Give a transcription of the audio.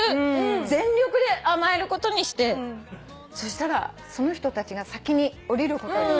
全力で甘えることにしてそしたらその人たちが先に降りることに。